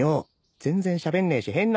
全然しゃべんねえし変な子だよ